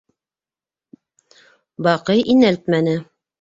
Баҡый инәлтмәне.